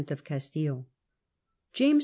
of Castile. James I.